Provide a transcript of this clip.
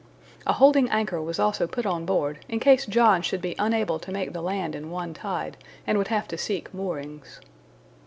A holding anchor was also put on board in case John should be unable to make the land in one tide, and would have to seek moorings.